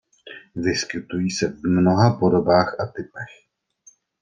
Vyskytují se v mnoha podobách a typech.